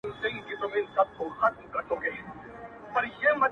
• بس دی دي تا راجوړه کړي، روح خپل در پو کمه.